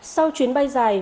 sau chuyến bay dài